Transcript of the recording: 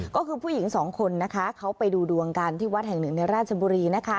ก็คือผู้หญิงสองคนนะคะเขาไปดูดวงกันที่วัดแห่งหนึ่งในราชบุรีนะคะ